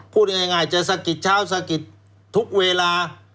พูดง่ายจะสะกิดเช้าสะกิดทุกเวลา